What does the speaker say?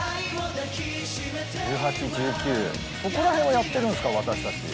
ここら辺やってるんすか私たち。